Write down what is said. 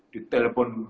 di telepon pak wali kota